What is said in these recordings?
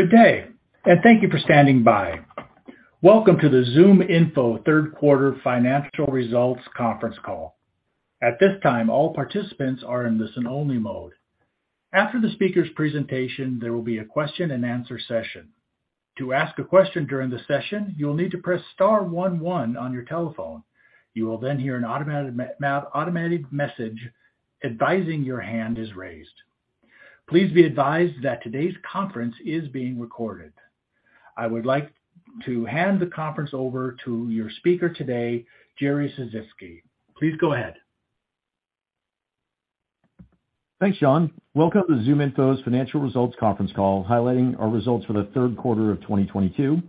Good day, and thank you for standing by. Welcome to the ZoomInfo third quarter financial results conference call. At this time, all participants are in listen only mode. After the speaker's presentation, there will be a question and answer session. To ask a question during the session, you will need to press star one one on your telephone. You will then hear an automatic message advising your hand is raised. Please be advised that today's conference is being recorded. I would like to hand the conference over to your speaker today, Jerry Sisitsky. Please go ahead. Thanks, John. Welcome to ZoomInfo's financial results conference call, highlighting our results for the third quarter of 2022.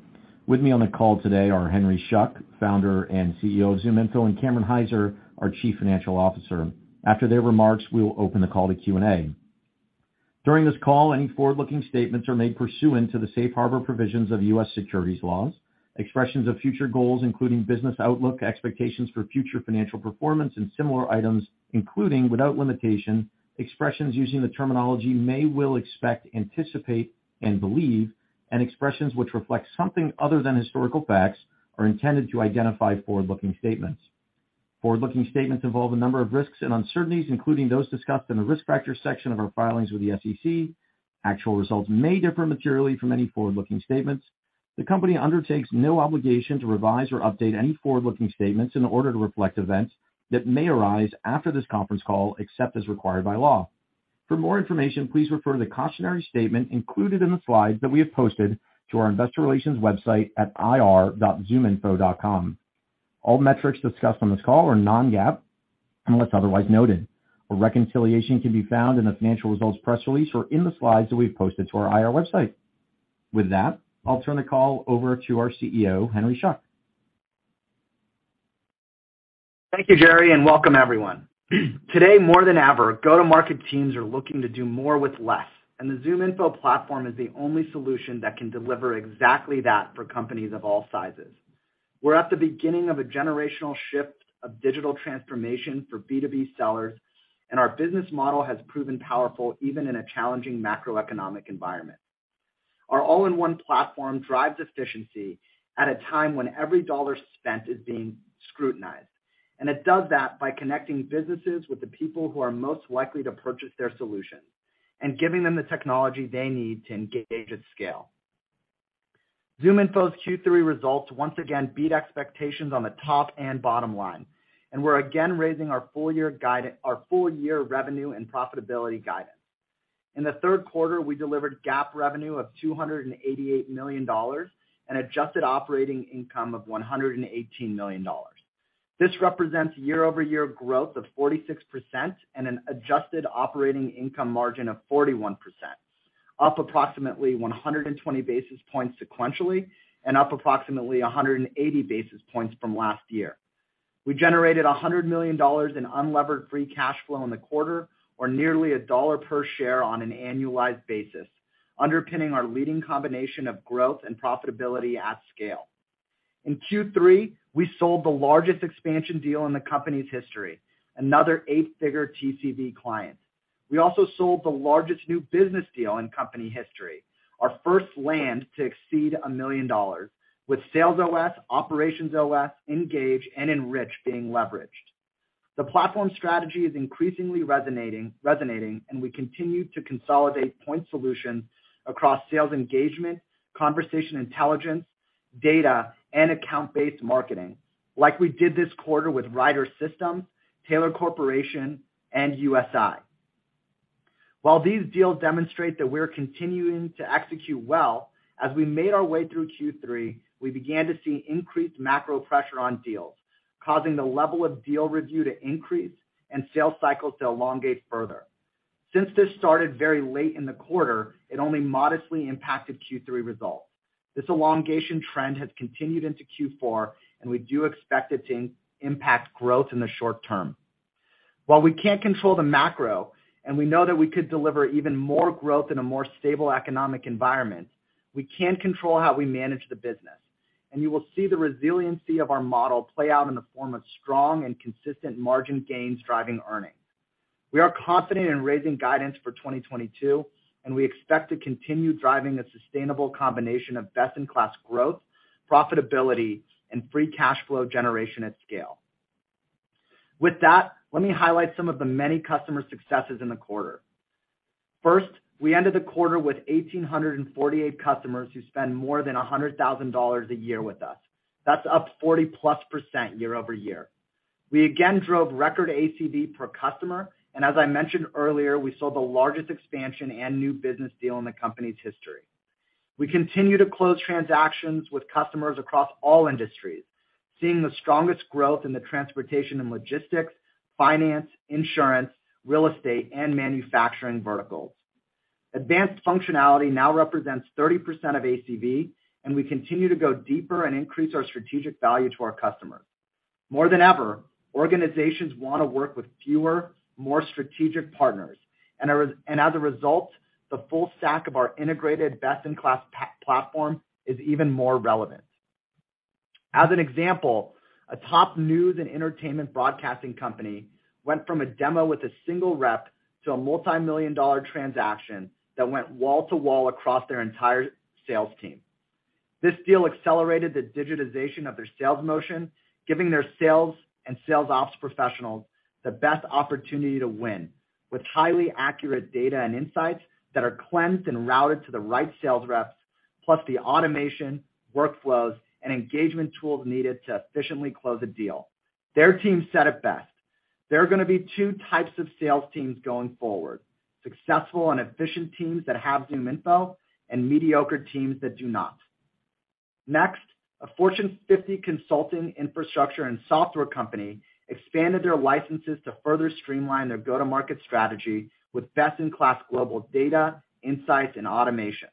With me on the call today are Henry Schuck, Founder and CEO of ZoomInfo, and Cameron Hyzer, our Chief Financial Officer. After their remarks, we will open the call to Q&A. During this call, any forward-looking statements are made pursuant to the safe harbor provisions of U.S. securities laws. Expressions of future goals, including business outlook, expectations for future financial performance and similar items, including, without limitation, expressions using the terminology may, will, expect, anticipate, and believe, and expressions which reflect something other than historical facts, are intended to identify forward-looking statements. Forward-looking statements involve a number of risks and uncertainties, including those discussed in the Risk Factors section of our filings with the SEC. Actual results may differ materially from any forward-looking statements. The company undertakes no obligation to revise or update any forward-looking statements in order to reflect events that may arise after this conference call, except as required by law. For more information, please refer to the cautionary statement included in the slides that we have posted to our investor relations website at ir.zoominfo.com. All metrics discussed on this call are non-GAAP, unless otherwise noted. A reconciliation can be found in the financial results press release or in the slides that we've posted to our IR website. With that, I'll turn the call over to our CEO, Henry Schuck. Thank you, Jerry, and welcome everyone. Today more than ever, go-to-market teams are looking to do more with less, and the ZoomInfo platform is the only solution that can deliver exactly that for companies of all sizes. We're at the beginning of a generational shift of digital transformation for B2B sellers, and our business model has proven powerful even in a challenging macroeconomic environment. Our all-in-one platform drives efficiency at a time when every dollar spent is being scrutinized. It does that by connecting businesses with the people who are most likely to purchase their solution and giving them the technology they need to engage at scale. ZoomInfo's Q3 results once again beat expectations on the top and bottom line, and we're again raising our full year guidance, our full year revenue and profitability guidance. In the third quarter, we delivered GAAP revenue of $288 million and adjusted operating income of $118 million. This represents year-over-year growth of 46% and an adjusted operating income margin of 41%, up approximately 120 basis points sequentially and up approximately 180 basis points from last year. We generated $100 million in unlevered free cash flow in the quarter or nearly $1 per share on an annualized basis, underpinning our leading combination of growth and profitability at scale. In Q3, we sold the largest expansion deal in the company's history, another eight-figure TCV client. We also sold the largest new business deal in company history, our first land to exceed $1 million with SalesOS, OperationsOS, Engage, and Enrich being leveraged. The platform strategy is increasingly resonating, and we continue to consolidate point solutions across sales engagement, conversation intelligence, data, and account-based marketing like we did this quarter with Ryder System, Taylor Corporation, and USI. While these deals demonstrate that we're continuing to execute well, as we made our way through Q3, we began to see increased macro pressure on deals, causing the level of deal review to increase and sales cycles to elongate further. Since this started very late in the quarter, it only modestly impacted Q3 results. This elongation trend has continued into Q4, and we do expect it to impact growth in the short term. While we can't control the macro, and we know that we could deliver even more growth in a more stable economic environment, we can control how we manage the business, and you will see the resiliency of our model play out in the form of strong and consistent margin gains driving earnings. We are confident in raising guidance for 2022, and we expect to continue driving a sustainable combination of best-in-class growth, profitability, and free cash flow generation at scale. With that, let me highlight some of the many customer successes in the quarter. First, we ended the quarter with 1,848 customers who spend more than $100,000 a year with us. That's up 40%+ year-over-year. We again drove record ACV per customer, and as I mentioned earlier, we saw the largest expansion and new business deal in the company's history. We continue to close transactions with customers across all industries, seeing the strongest growth in the transportation and logistics, finance, insurance, real estate, and manufacturing verticals. Advanced functionality now represents 30% of ACV, and we continue to go deeper and increase our strategic value to our customers. More than ever, organizations want to work with fewer, more strategic partners. As a result, the full stack of our integrated best-in-class platform is even more relevant. As an example, a top news and entertainment broadcasting company went from a demo with a single rep to a multimillion-dollar transaction that went wall to wall across their entire sales team. This deal accelerated the digitization of their sales motion, giving their sales and sales ops professionals the best opportunity to win with highly accurate data and insights that are cleansed and routed to the right sales reps, plus the automation, workflows, and engagement tools needed to efficiently close a deal. Their team said it best, "There are gonna be two types of sales teams going forward, successful and efficient teams that have ZoomInfo and mediocre teams that do not." Next, a Fortune 50 consulting infrastructure and software company expanded their licenses to further streamline their go-to-market strategy with best-in-class global data, insights, and automation.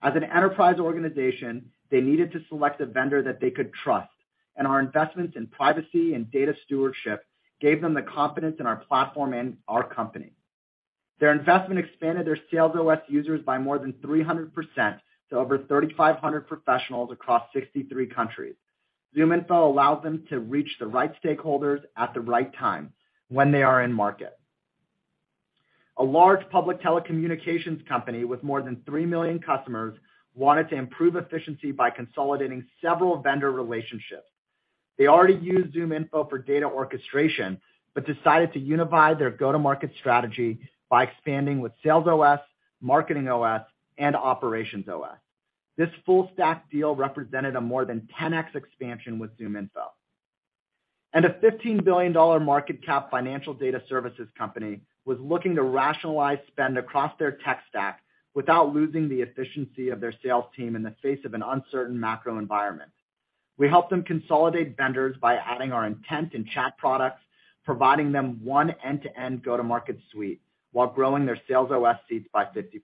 As an enterprise organization, they needed to select a vendor that they could trust, and our investments in privacy and data stewardship gave them the confidence in our platform and our company. Their investment expanded their SalesOS users by more than 300% to over 3,500 professionals across 63 countries. ZoomInfo allows them to reach the right stakeholders at the right time when they are in market. A large public telecommunications company with more than 3 million customers wanted to improve efficiency by consolidating several vendor relationships. They already used ZoomInfo for data orchestration, but decided to unify their go-to-market strategy by expanding with SalesOS, MarketingOS, and OperationsOS. This full stack deal represented a more than 10x expansion with ZoomInfo. A $15 billion market cap financial data services company was looking to rationalize spend across their tech stack without losing the efficiency of their sales team in the face of an uncertain macro environment. We helped them consolidate vendors by adding our intent and chat products, providing them one end-to-end go-to-market suite while growing their SalesOS seats by 50%.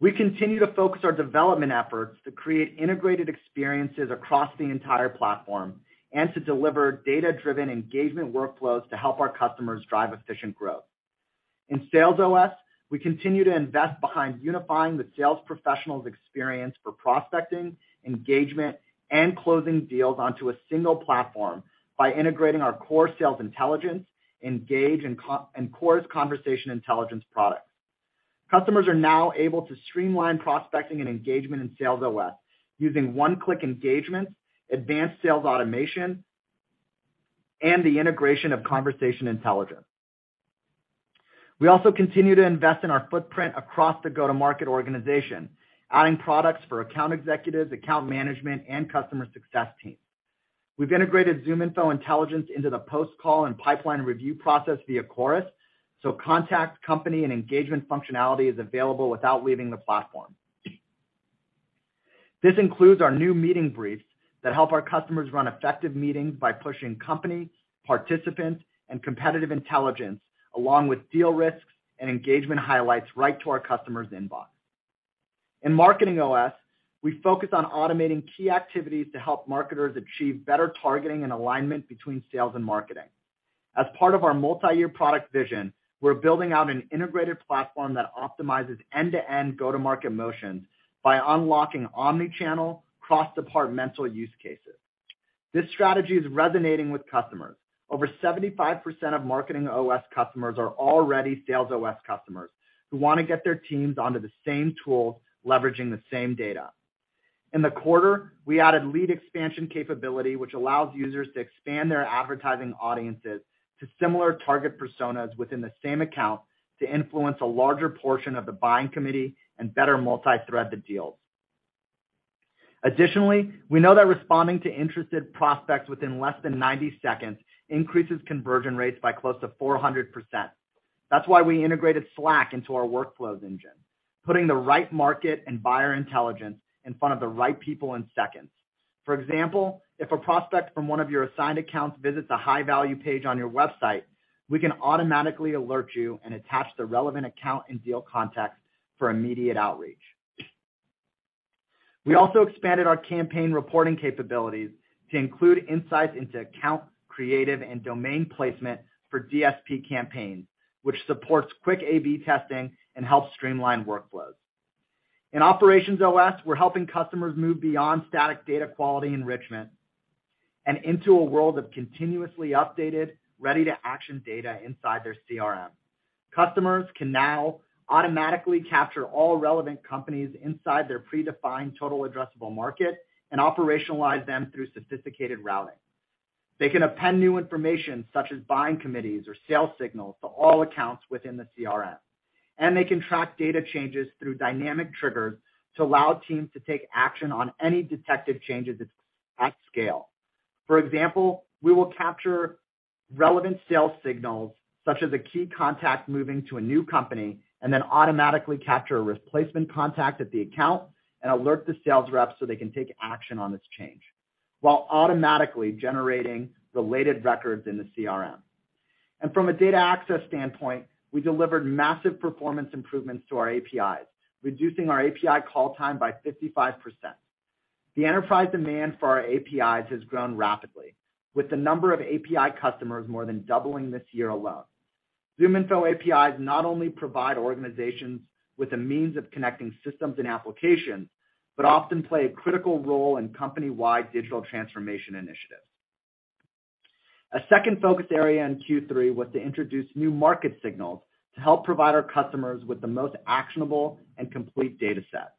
We continue to focus our development efforts to create integrated experiences across the entire platform and to deliver data-driven engagement workflows to help our customers drive efficient growth. In SalesOS, we continue to invest behind unifying the sales professionals' experience for prospecting, engagement, and closing deals onto a single platform by integrating our core sales intelligence, Engage, and Chorus conversation intelligence products. Customers are now able to streamline prospecting and engagement in SalesOS using one-click engagement, advanced sales automation, and the integration of conversation intelligence. We also continue to invest in our footprint across the go-to-market organization, adding products for account executives, account management, and customer success teams. We've integrated ZoomInfo Intelligence into the post-call and pipeline review process via Chorus, so contact, company, and engagement functionality is available without leaving the platform. This includes our new meeting briefs that help our customers run effective meetings by pushing company, participants, and competitive intelligence along with deal risks and engagement highlights right to our customers' inbox. In MarketingOS, we focus on automating key activities to help marketers achieve better targeting and alignment between sales and marketing. As part of our multi-year product vision, we're building out an integrated platform that optimizes end-to-end go-to-market motions by unlocking omni-channel, cross-departmental use cases. This strategy is resonating with customers. Over 75% of MarketingOS customers are already SalesOS customers who wanna get their teams onto the same tool, leveraging the same data. In the quarter, we added lead expansion capability, which allows users to expand their advertising audiences to similar target personas within the same account to influence a larger portion of the buying committee and better multi-thread the deals. Additionally, we know that responding to interested prospects within less than 90 seconds increases conversion rates by close to 400%. That's why we integrated Slack into our workflows engine, putting the right market and buyer intelligence in front of the right people in seconds. For example, if a prospect from one of your assigned accounts visits a high-value page on your website, we can automatically alert you and attach the relevant account and deal context for immediate outreach. We also expanded our campaign reporting capabilities to include insights into account creative and domain placement for DSP campaigns, which supports quick A/B testing and helps streamline workflows. In OperationsOS, we're helping customers move beyond static data quality enrichment and into a world of continuously updated, ready-to-action data inside their CRM. Customers can now automatically capture all relevant companies inside their predefined total addressable market and operationalize them through sophisticated routing. They can append new information such as buying committees or sales signals to all accounts within the CRM, and they can track data changes through dynamic triggers to allow teams to take action on any detected changes at scale. For example, we will capture relevant sales signals such as a key contact moving to a new company and then automatically capture a replacement contact at the account and alert the sales reps so they can take action on this change while automatically generating related records in the CRM. From a data access standpoint, we delivered massive performance improvements to our APIs, reducing our API call time by 55%. The enterprise demand for our APIs has grown rapidly, with the number of API customers more than doubling this year alone. ZoomInfo APIs not only provide organizations with a means of connecting systems and applications, but often play a critical role in company-wide digital transformation initiatives. A second focus area in Q3 was to introduce new market signals to help provide our customers with the most actionable and complete data set.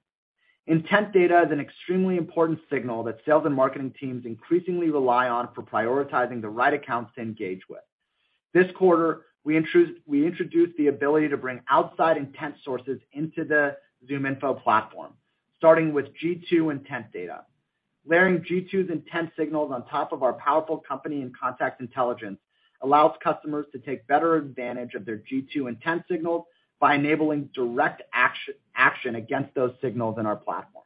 Intent data is an extremely important signal that sales and marketing teams increasingly rely on for prioritizing the right accounts to engage with. This quarter, we introduced the ability to bring outside intent sources into the ZoomInfo platform, starting with G2 intent data. Layering G2's intent signals on top of our powerful company and contact intelligence allows customers to take better advantage of their G2 intent signals by enabling direct action against those signals in our platform.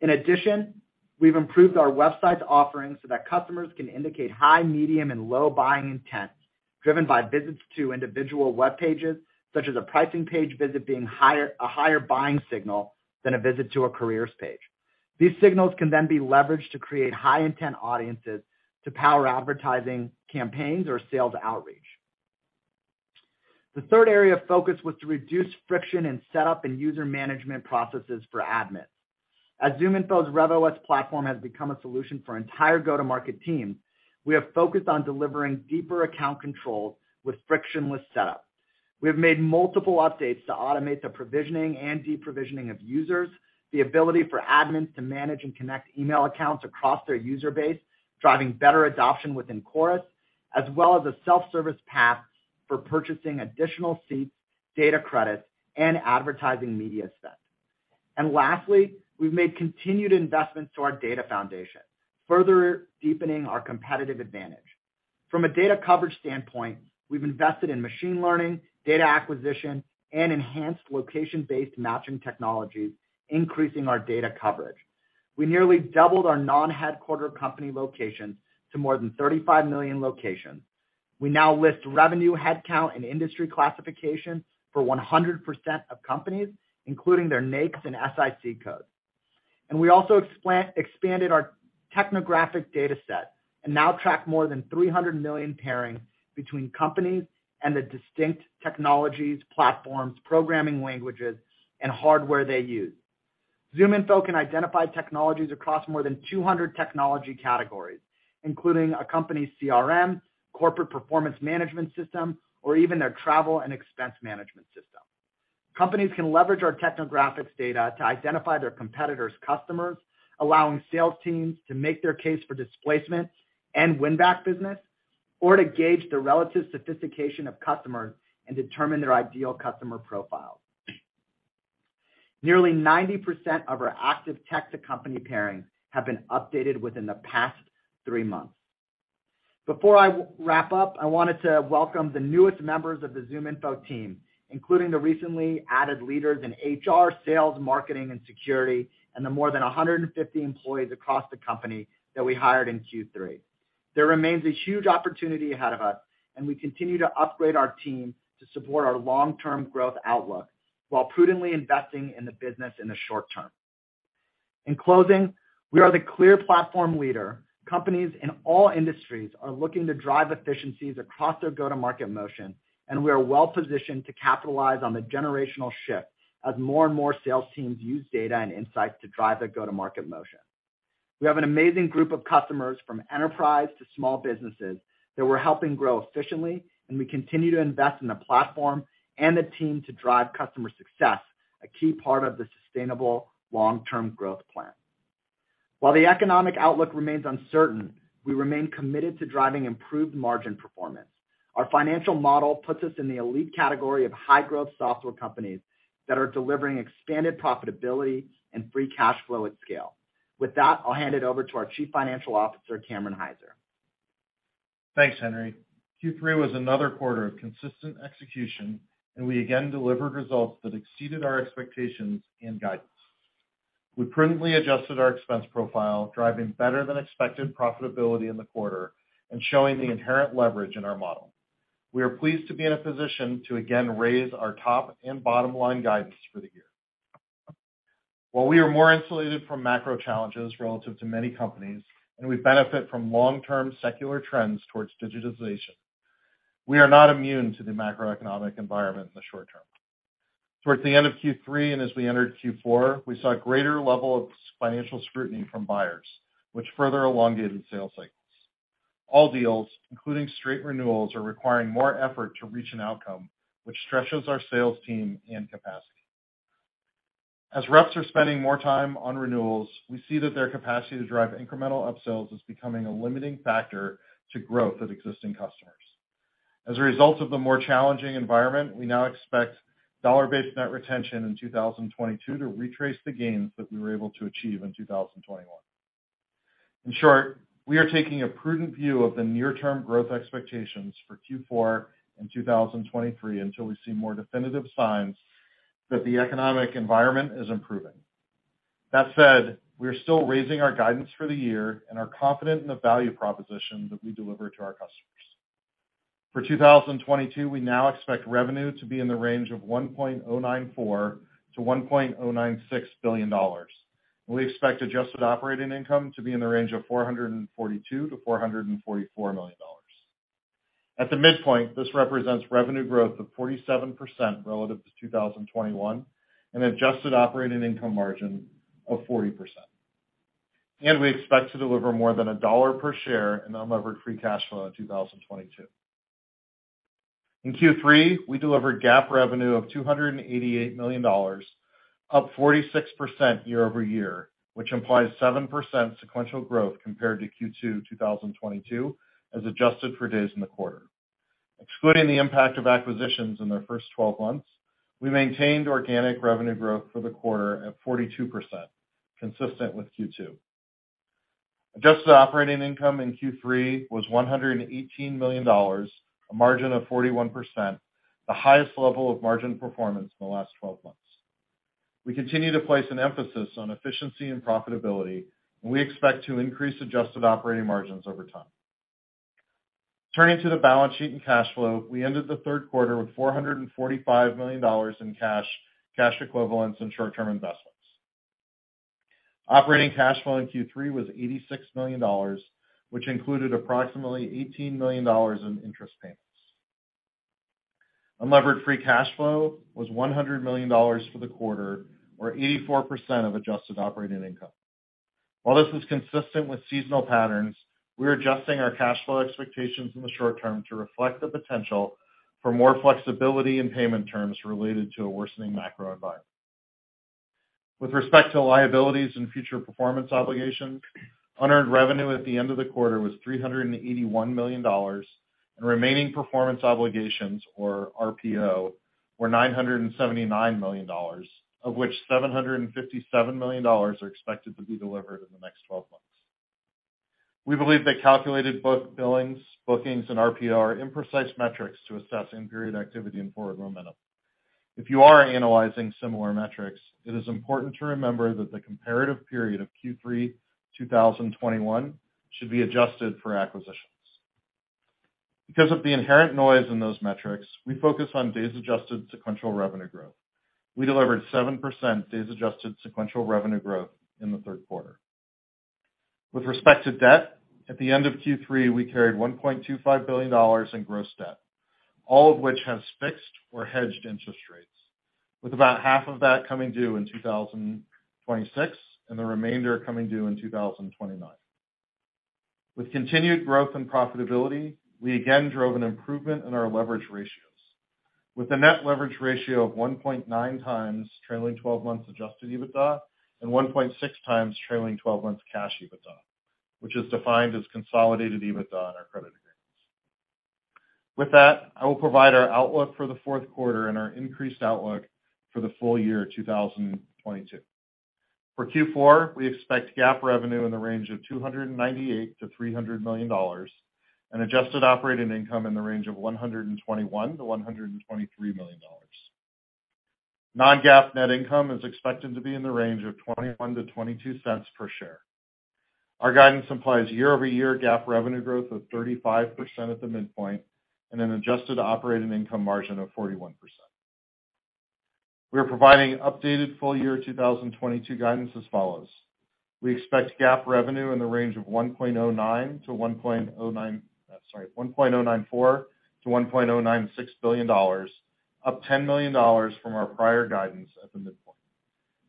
In addition, we've improved our website's offerings so that customers can indicate high, medium, and low buying intent driven by visits to individual web pages, such as a pricing page visit being a higher buying signal than a visit to a careers page. These signals can then be leveraged to create high-intent audiences to power advertising campaigns or sales outreach. The third area of focus was to reduce friction in setup and user management processes for admins. As ZoomInfo's RevOS platform has become a solution for entire go-to-market team, we have focused on delivering deeper account control with frictionless setup. We have made multiple updates to automate the provisioning and deprovisioning of users, the ability for admins to manage and connect email accounts across their user base, driving better adoption within Chorus, as well as a self-service path for purchasing additional seats, data credits, and advertising media spend. Lastly, we've made continued investments to our data foundation, further deepening our competitive advantage. From a data coverage standpoint, we've invested in machine learning, data acquisition, and enhanced location-based matching technologies, increasing our data coverage. We nearly doubled our non-headquarter company locations to more than 35 million locations. We now list revenue headcount and industry classification for 100% of companies, including their NAICS and SIC codes. We also expanded our technographic data set and now track more than 300 million pairings between companies and the distinct technologies, platforms, programming languages, and hardware they use. ZoomInfo can identify technologies across more than 200 technology categories, including a company's CRM, corporate performance management system, or even their travel and expense management system. Companies can leverage our technographics data to identify their competitors' customers, allowing sales teams to make their case for displacement and win-back business, or to gauge the relative sophistication of customers and determine their ideal customer profile. Nearly 90% of our active tech to company pairings have been updated within the past three months. Before I wrap up, I wanted to welcome the newest members of the ZoomInfo team, including the recently added leaders in HR, sales, marketing, and security, and the more than 150 employees across the company that we hired in Q3. There remains a huge opportunity ahead of us, and we continue to upgrade our team to support our long-term growth outlook while prudently investing in the business in the short term. In closing, we are the clear platform leader. Companies in all industries are looking to drive efficiencies across their go-to-market motion, and we are well-positioned to capitalize on the generational shift as more and more sales teams use data and insights to drive their go-to-market motion. We have an amazing group of customers from enterprise to small businesses that we're helping grow efficiently, and we continue to invest in the platform and the team to drive customer success, a key part of the sustainable long-term growth plan. While the economic outlook remains uncertain, we remain committed to driving improved margin performance. Our financial model puts us in the elite category of high-growth software companies that are delivering expanded profitability and free cash flow at scale. With that, I'll hand it over to our Chief Financial Officer, Cameron Hyzer. Thanks, Henry. Q3 was another quarter of consistent execution, and we again delivered results that exceeded our expectations and guidance. We prudently adjusted our expense profile, driving better than expected profitability in the quarter and showing the inherent leverage in our model. We are pleased to be in a position to again raise our top and bottom line guidance for the year. While we are more insulated from macro challenges relative to many companies, and we benefit from long-term secular trends towards digitization, we are not immune to the macroeconomic environment in the short term. Towards the end of Q3 and as we entered Q4, we saw a greater level of financial scrutiny from buyers, which further elongated sales cycles. All deals, including straight renewals, are requiring more effort to reach an outcome which stretches our sales team and capacity. As reps are spending more time on renewals, we see that their capacity to drive incremental upsales is becoming a limiting factor to growth of existing customers. As a result of the more challenging environment, we now expect dollar-based net retention in 2022 to retrace the gains that we were able to achieve in 2021. In short, we are taking a prudent view of the near-term growth expectations for Q4 in 2023 until we see more definitive signs that the economic environment is improving. That said, we are still raising our guidance for the year and are confident in the value proposition that we deliver to our customers. For 2022, we now expect revenue to be in the range of $1.094 billion-$1.096 billion. We expect adjusted operating income to be in the range of $442 million-$444 million. At the midpoint, this represents revenue growth of 47% relative to 2021 and adjusted operating income margin of 40%. We expect to deliver more than $1 per share in unlevered free cash flow in 2022. In Q3, we delivered GAAP revenue of $288 million, up 46% year-over-year, which implies 7% sequential growth compared to Q2 2022 as adjusted for days in the quarter. Excluding the impact of acquisitions in their first 12 months, we maintained organic revenue growth for the quarter at 42%, consistent with Q2. Adjusted operating income in Q3 was $118 million, a margin of 41%, the highest level of margin performance in the last 12 months. We continue to place an emphasis on efficiency and profitability, and we expect to increase adjusted operating margins over time. Turning to the balance sheet and cash flow, we ended the third quarter with $445 million in cash equivalents, and short-term investments. Operating cash flow in Q3 was $86 million, which included approximately $18 million in interest payments. Unlevered free cash flow was $100 million for the quarter, or 84% of adjusted operating income. While this is consistent with seasonal patterns, we're adjusting our cash flow expectations in the short term to reflect the potential for more flexibility in payment terms related to a worsening macro environment. With respect to liabilities and future performance obligations, unearned revenue at the end of the quarter was $381 million, and remaining performance obligations, or RPO, were $979 million, of which $757 million are expected to be delivered in the next 12 months. We believe that calculated book billings, bookings, and RPO are imprecise metrics to assessing period activity and forward momentum. If you are analyzing similar metrics, it is important to remember that the comparative period of Q3 2021 should be adjusted for acquisitions. Because of the inherent noise in those metrics, we focus on days-adjusted sequential revenue growth. We delivered 7% days-adjusted sequential revenue growth in the third quarter. With respect to debt, at the end of Q3, we carried $1.25 billion in gross debt, all of which has fixed or hedged interest rates, with about half of that coming due in 2026 and the remainder coming due in 2029. With continued growth and profitability, we again drove an improvement in our leverage ratios with a net leverage ratio of 1.9x trailing 12 months Adjusted EBITDA and 1.6x trailing 12 months cash EBITDA, which is defined as consolidated EBITDA in our credit agreements. With that, I will provide our outlook for the fourth quarter and our increased outlook for the full year 2022. For Q4, we expect GAAP revenue in the range of $298 million-$300 million and adjusted operating income in the range of $121 million-$123 million. Non-GAAP net income is expected to be in the range of $0.21-$0.22 per share. Our guidance implies year-over-year GAAP revenue growth of 35% at the midpoint and an adjusted operating income margin of 41%. We are providing updated full year 2022 guidance as follows. We expect GAAP revenue in the range of $1.094 billion-$1.096 billion, up $10 million from our prior guidance at the midpoint.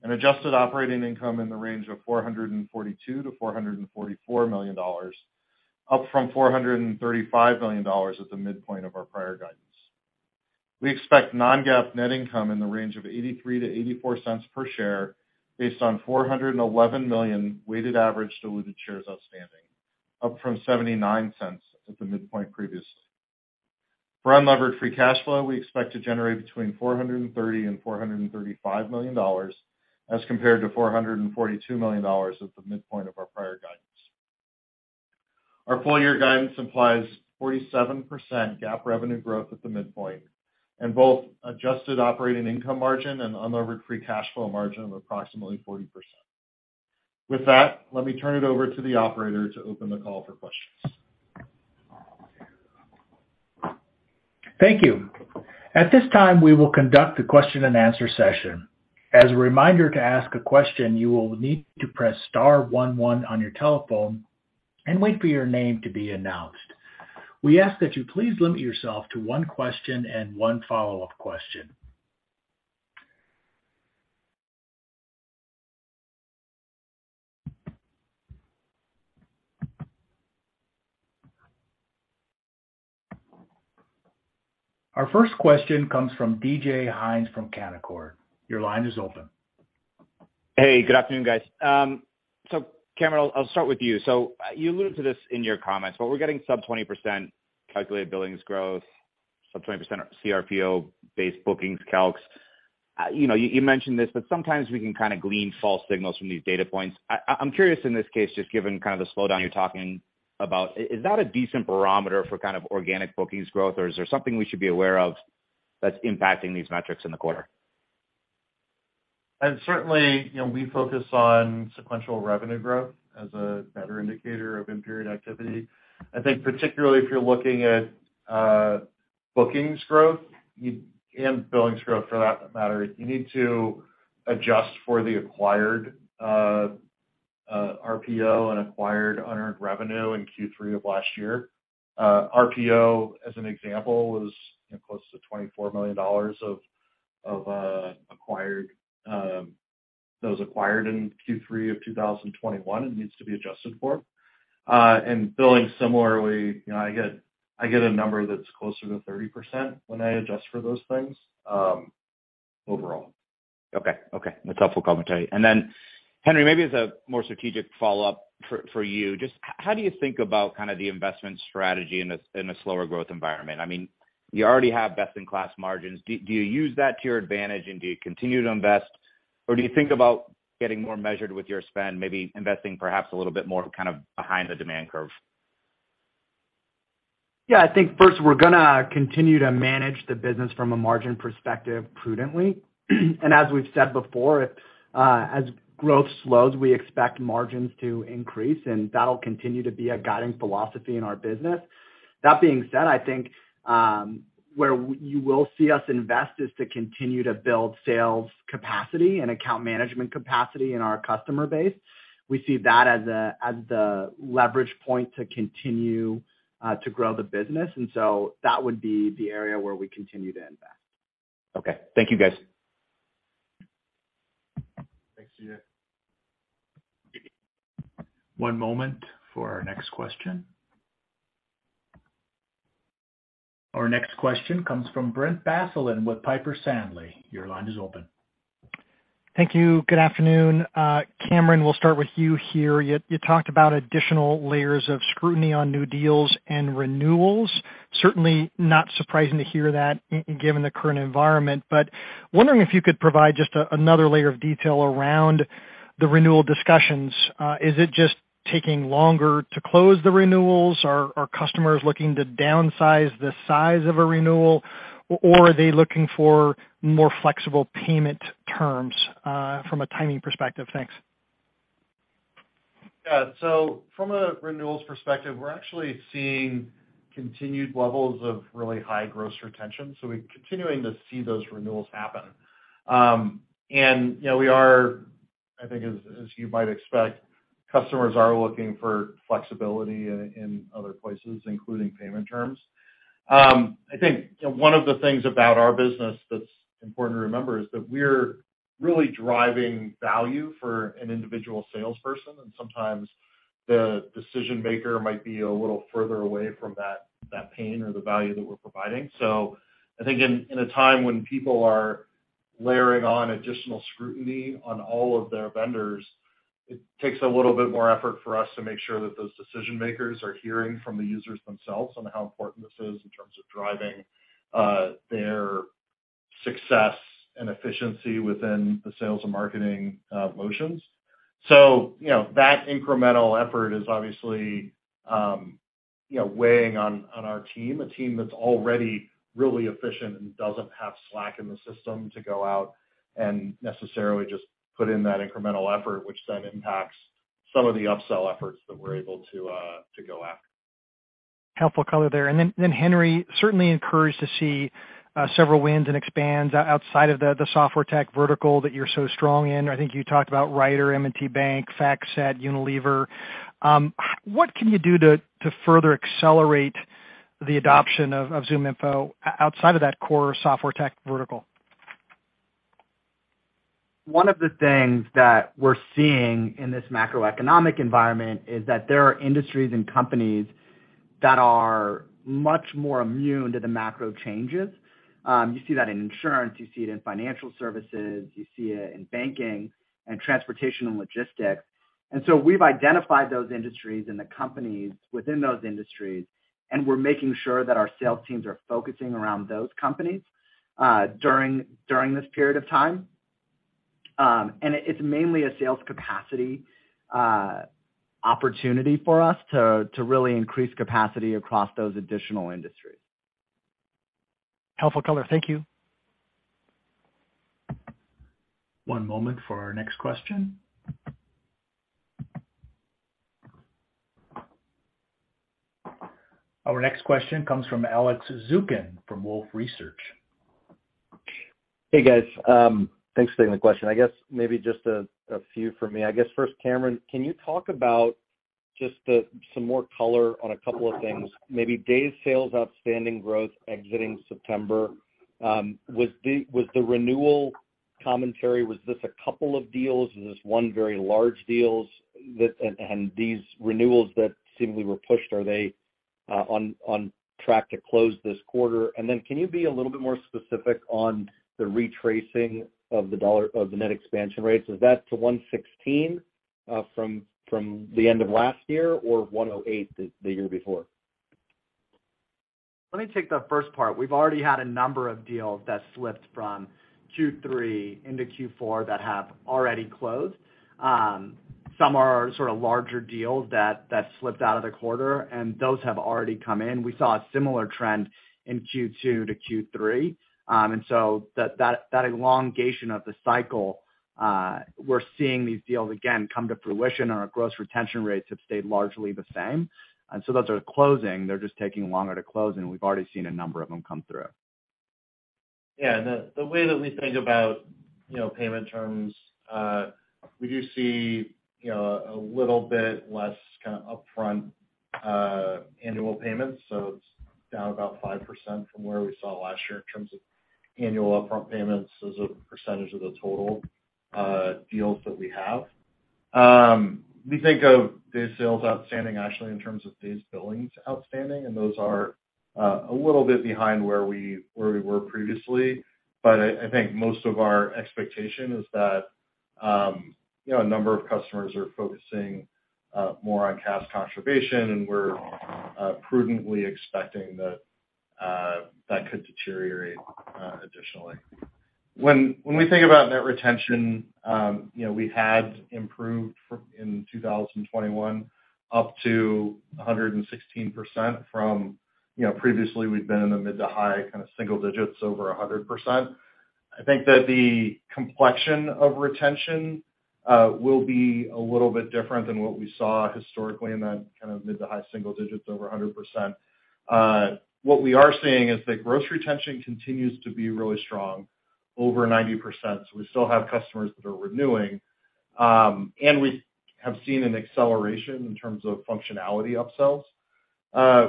An adjusted operating income in the range of $442 million-$444 million, up from $435 million at the midpoint of our prior guidance. We expect non-GAAP net income in the range of $0.83-$0.84 per share based on 411 million weighted average diluted shares outstanding, up from $0.79 at the midpoint previously. For unlevered free cash flow, we expect to generate between $430 million and $435 million as compared to $442 million at the midpoint of our prior guidance. Our full year guidance implies 47% GAAP revenue growth at the midpoint and both adjusted operating income margin and unlevered free cash flow margin of approximately 40%. With that, let me turn it over to the operator to open the call for questions. Thank you. At this time, we will conduct a question and answer session. As a reminder, to ask a question, you will need to press star one one on your telephone and wait for your name to be announced. We ask that you please limit yourself to one question and one follow-up question. Our first question comes from DJ Hynes from Canaccord. Your line is open. Hey, good afternoon, guys. Cameron, I'll start with you. You alluded to this in your comments, but we're getting sub 20% calculated billings growth, sub 20% CRPO-based bookings calcs. You know, you mentioned this, but sometimes we can kind of glean false signals from these data points. I'm curious in this case, just given kind of the slowdown you're talking about, is that a decent barometer for kind of organic bookings growth, or is there something we should be aware of that's impacting these metrics in the quarter? Certainly, you know, we focus on sequential revenue growth as a better indicator of in-period activity. I think particularly if you're looking at Bookings growth and billings growth for that matter, you need to adjust for the acquired RPO and acquired unearned revenue in Q3 of last year. RPO, as an example, was close to $24 million of those acquired in Q3 of 2021 and needs to be adjusted for. Billing similarly, you know, I get a number that's closer to 30% when I adjust for those things, overall. Okay. That's helpful commentary. Henry, maybe as a more strategic follow-up for you, just how do you think about kind of the investment strategy in a slower growth environment? I mean, you already have best in class margins. Do you use that to your advantage and do you continue to invest? Or do you think about getting more measured with your spend, maybe investing perhaps a little bit more kind of behind the demand curve? Yeah, I think first we're gonna continue to manage the business from a margin perspective prudently. As we've said before, as growth slows, we expect margins to increase, and that'll continue to be a guiding philosophy in our business. That being said, I think, where you will see us invest is to continue to build sales capacity and account management capacity in our customer base. We see that as the leverage point to continue to grow the business. That would be the area where we continue to invest. Okay. Thank you, guys. Thanks. See you. One moment for our next question. Our next question comes from Brent Bracelin with Piper Sandler. Your line is open. Thank you. Good afternoon. Cameron, we'll start with you here. You talked about additional layers of scrutiny on new deals and renewals. Certainly not surprising to hear that given the current environment, but wondering if you could provide just another layer of detail around the renewal discussions. Is it just taking longer to close the renewals? Are customers looking to downsize the size of a renewal? Or are they looking for more flexible payment terms from a timing perspective? Thanks. Yeah. From a renewals perspective, we're actually seeing continued levels of really high gross retention, so we're continuing to see those renewals happen. You know, we are, I think as you might expect, customers are looking for flexibility in other places, including payment terms. I think one of the things about our business that's important to remember is that we're really driving value for an individual salesperson, and sometimes the decision maker might be a little further away from that pain or the value that we're providing. I think in a time when people are layering on additional scrutiny on all of their vendors, it takes a little bit more effort for us to make sure that those decision makers are hearing from the users themselves on how important this is in terms of driving their success and efficiency within the sales and marketing motions. You know, that incremental effort is obviously you know weighing on our team, a team that's already really efficient and doesn't have slack in the system to go out and necessarily just put in that incremental effort, which then impacts some of the upsell efforts that we're able to to go after. Helpful color there. Henry, certainly encouraged to see several wins and expands outside of the software tech vertical that you're so strong in. I think you talked about Ryder, M&T Bank, FactSet, Unilever. What can you do to further accelerate the adoption of ZoomInfo outside of that core software tech vertical? One of the things that we're seeing in this macroeconomic environment is that there are industries and companies that are much more immune to the macro changes. You see that in insurance, you see it in financial services, you see it in banking and transportation and logistics. We've identified those industries and the companies within those industries, and we're making sure that our sales teams are focusing around those companies during this period of time. It's mainly a sales capacity opportunity for us to really increase capacity across those additional industries. Helpful color. Thank you. One moment for our next question. Our next question comes from Alex Zukin from Wolfe Research. Hey, guys. Thanks for taking the question. I guess maybe just a few from me. I guess first, Cameron, can you talk about just some more color on a couple of things, maybe days sales outstanding growth exiting September. Was the renewal commentary, was this a couple of deals? Is this one very large deals that. These renewals that seemingly were pushed, are they on track to close this quarter? Then can you be a little bit more specific on the retracing of the net expansion rates? Is that to 116% from the end of last year or 108% the year before? Let me take the first part. We've already had a number of deals that slipped from Q3 into Q4 that have already closed. Some are sort of larger deals that slipped out of the quarter, and those have already come in. We saw a similar trend in Q2 to Q3. That elongation of the cycle. We're seeing these deals again come to fruition. Our gross retention rates have stayed largely the same. Those are closing, they're just taking longer to close, and we've already seen a number of them come through. Yeah. The way that we think about, you know, payment terms, we do see, you know, a little bit less kind of upfront annual payments. It's down about 5% from where we saw last year in terms of annual upfront payments as a percentage of the total deals that we have. We think of these sales outstanding actually in terms of these billings outstanding, and those are a little bit behind where we were previously. I think most of our expectation is that, you know, a number of customers are focusing more on cash conservation, and we're prudently expecting that that could deteriorate additionally. When we think about net retention, you know, we had improved from in 2021 up to 116% from, you know, previously we'd been in the mid- to high-single digits over 100%. I think that the complexion of retention will be a little bit different than what we saw historically in that kind of mid- to high-single digits over 100%. What we are seeing is that gross retention continues to be really strong, over 90%. We still have customers that are renewing, and we have seen an acceleration in terms of functionality upsells.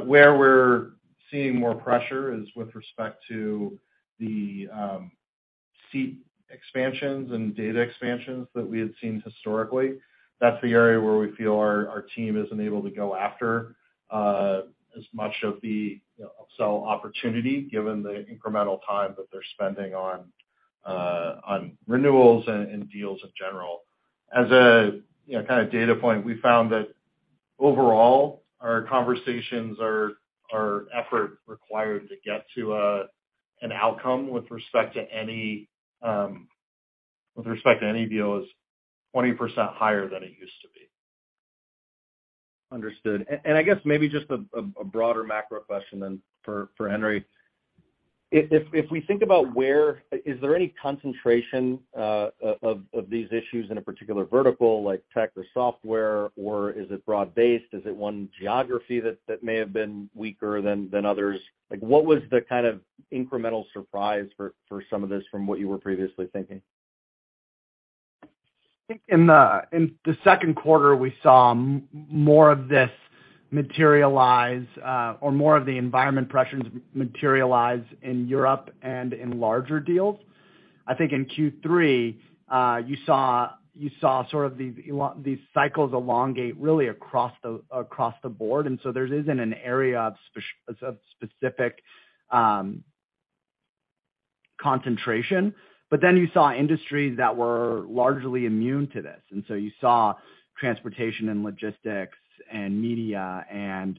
Where we're seeing more pressure is with respect to the seat expansions and data expansions that we had seen historically. That's the area where we feel our team isn't able to go after as much of the upsell opportunity, given the incremental time that they're spending on on renewals and and deals in general. As you know, kind of data point, we found that overall, our conversations or effort required to get to an outcome with respect to any with respect to any deal is 20% higher than it used to be. Understood. I guess maybe just a broader macro question then for Henry. If we think about where is there any concentration of these issues in a particular vertical like tech or software, or is it broad-based? Is it one geography that may have been weaker than others? Like, what was the kind of incremental surprise for some of this from what you were previously thinking? I think in the second quarter, we saw more of this materialize or more of the environment pressures materialize in Europe and in larger deals. I think in Q3, you saw these cycles elongate really across the board. There isn't an area of specific concentration. You saw industries that were largely immune to this. You saw transportation and logistics and media and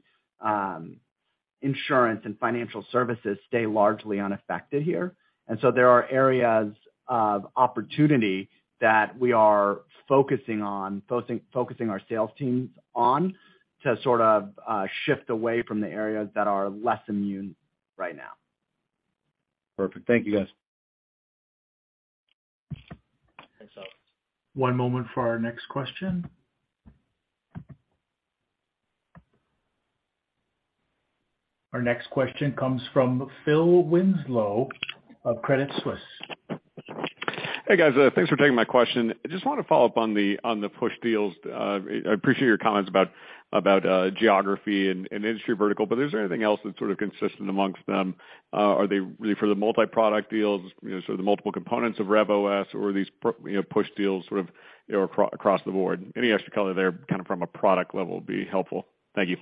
insurance and financial services stay largely unaffected here. There are areas of opportunity that we are focusing our sales teams on to sort of shift away from the areas that are less immune right now. Perfect. Thank you, guys. Thanks, Alex. One moment for our next question. Our next question comes from Phil Winslow of Credit Suisse. Hey, guys. Thanks for taking my question. I just wanna follow up on the push deals. I appreciate your comments about geography and industry vertical, but is there anything else that's sort of consistent amongst them? Are they really for the multi-product deals, you know, so the multiple components of RevOS or are these push deals sort of, you know, across the board? Any extra color there, kind of from a product level would be helpful. Thank you.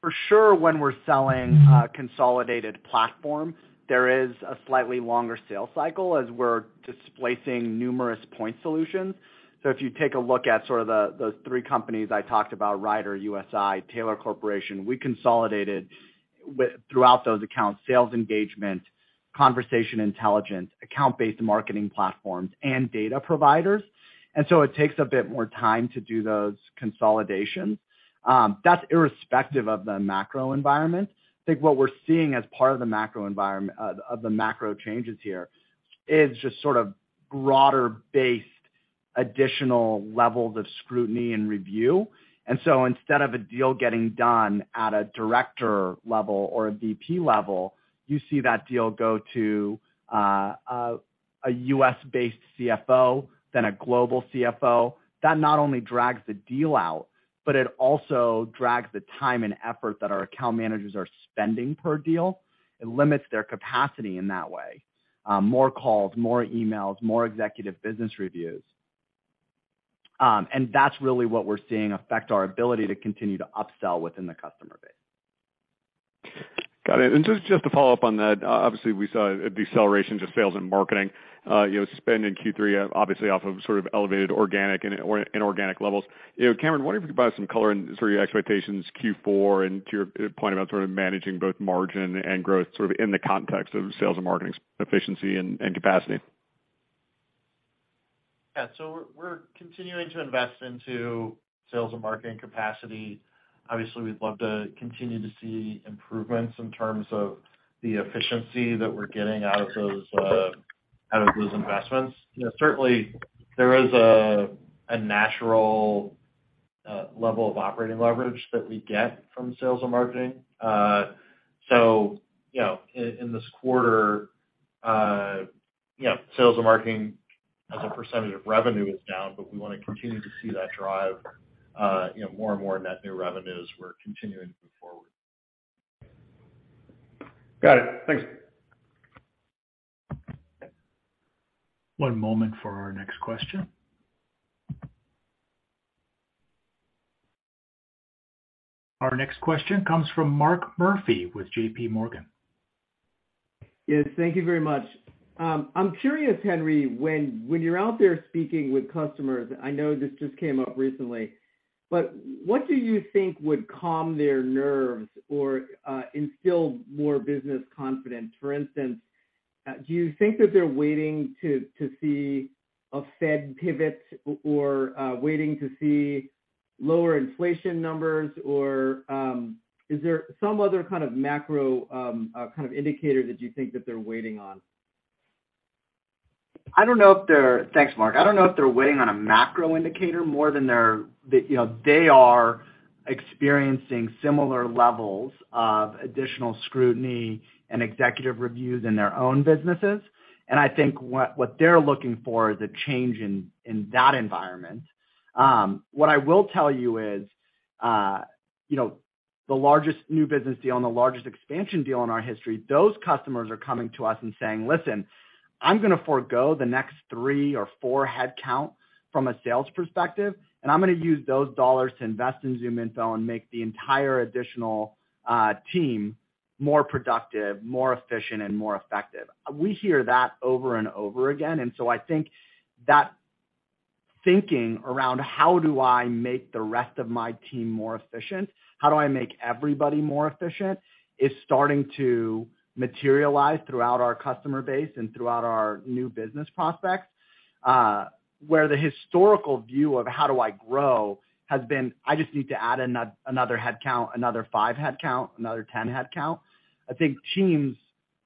For sure, when we're selling a consolidated platform, there is a slightly longer sales cycle as we're displacing numerous point solutions. If you take a look at sort of the, those three companies I talked about, Ryder, USI, Taylor Corporation, we consolidated with throughout those accounts, sales engagement, conversation intelligence, account-based marketing platforms, and data providers. It takes a bit more time to do those consolidations. That's irrespective of the macro environment. I think what we're seeing as part of the macro changes here is just sort of broader-based additional levels of scrutiny and review. Instead of a deal getting done at a director level or a VP level, you see that deal go to a U.S.-based CFO, then a global CFO. That not only drags the deal out, but it also drags the time and effort that our account managers are spending per deal. It limits their capacity in that way. More calls, more emails, more executive business reviews. That's really what we're seeing affect our ability to continue to upsell within the customer base. Got it. Just to follow up on that, obviously we saw a deceleration in sales and marketing, you know, spend in Q3, obviously off of sort of elevated organic and inorganic levels. You know, Cameron, wondering if you could provide some color and sort of your expectations Q4 and to your point about sort of managing both margin and growth sort of in the context of sales and marketing efficiency and capacity. We're continuing to invest into sales and marketing capacity. Obviously, we'd love to continue to see improvements in terms of the efficiency that we're getting out of those investments. You know, certainly there is a natural level of operating leverage that we get from sales and marketing. You know, in this quarter, you know, sales and marketing as a percentage of revenue is down, but we wanna continue to see that drive more and more net new revenues. We're continuing to move forward. Got it. Thanks. One moment for our next question. Our next question comes from Mark Murphy with J.P. Morgan. Yes, thank you very much. I'm curious, Henry, when you're out there speaking with customers, I know this just came up recently, but what do you think would calm their nerves or instill more business confidence? For instance, do you think that they're waiting to see a Fed pivot or waiting to see lower inflation numbers? Or, is there some other kind of macro kind of indicator that you think that they're waiting on? Thanks, Mark. I don't know if they're waiting on a macro indicator more than they're, you know, they are experiencing similar levels of additional scrutiny and executive reviews in their own businesses. I think what they're looking for is a change in that environment. What I will tell you is, you know, the largest new business deal and the largest expansion deal in our history, those customers are coming to us and saying, "Listen, I'm gonna forgo the next three or four headcount from a sales perspective, and I'm gonna use those dollars to invest in ZoomInfo and make the entire additional team more productive, more efficient, and more effective." We hear that over and over again. I think that thinking around how do I make the rest of my team more efficient, how do I make everybody more efficient, is starting to materialize throughout our customer base and throughout our new business prospects. Where the historical view of how do I grow has been, I just need to add another headcount, another five headcount, another 10 headcount. I think teams